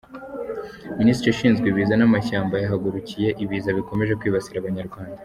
Minisiteri ishinzwe ibiza namashyamba yahagurukiye ibiza bikomeje kwibasira Abanyarwanda